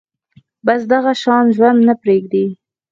بس دغه شان ژوند نه پرېږدي